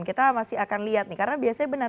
kita masih akan lihat nih karena biasanya benar